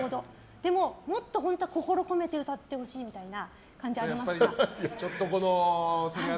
でも、もっと本当は心を込めて歌ってほしいみたいな感じがありますか？